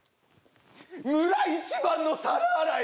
村一番の皿洗い